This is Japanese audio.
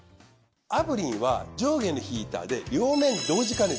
炙輪は上下のヒーターで両面同時加熱。